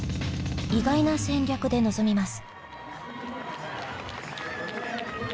意外な戦略で臨みます。